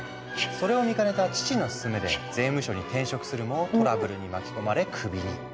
それを見かねた父の勧めで税務署に転職するもトラブルに巻き込まれクビに。